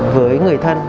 với người thân